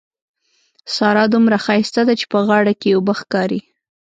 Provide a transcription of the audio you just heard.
سارا دومره ښايسته ده چې په غاړه کې يې اوبه ښکاري.